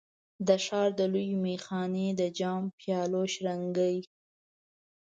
د ښار د لویې میخانې د جام، پیالو شرنګی